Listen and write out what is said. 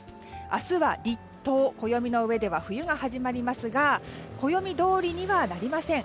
明日は、立冬暦の上では冬が始まりますが暦どおりにはなりません。